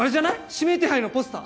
指名手配のポスター。